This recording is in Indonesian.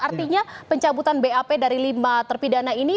artinya pencabutan bap dari lima terpidana ini